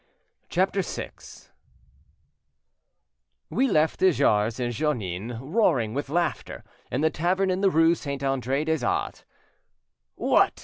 CHAPTER VI We left de Jars and Jeannin, roaring with laughter, in the tavern in the rue Saint Andre des Arts. "What!"